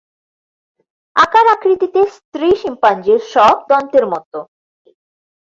আকার আকৃতিতে স্ত্রী শিম্পাঞ্জির শ্ব-দ্বন্তের মত।